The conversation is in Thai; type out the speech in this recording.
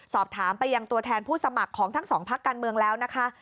สอบถามไปยังตัวแทนผู้สมัครของทั้งสองพักการเมืองแล้วนะคะ